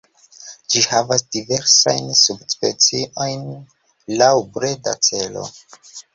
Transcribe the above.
Ĝi havas diversajn subspeciojn laŭ breda celo.